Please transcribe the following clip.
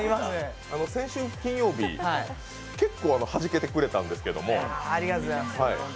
先週金曜日、結構はじけてくれたんですけれども。